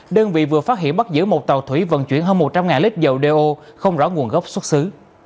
đơn vị vừa phát hiện bắt giữ một tàu thủy vận chuyển hơn một trăm linh lít dầu đeo không rõ nguồn gốc xuất xứ